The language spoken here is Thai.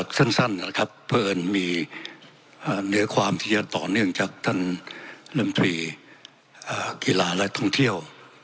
สั้นนะครับเพราะเอิญมีเนื้อความที่จะต่อเนื่องจากท่านลำตรีกีฬาและท่องเที่ยว